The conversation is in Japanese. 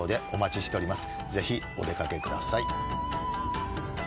ぜひお出掛けください。